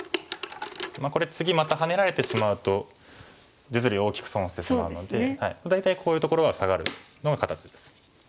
これ次またハネられてしまうと実利を大きく損してしまうので大体こういうところはサガるのが形です。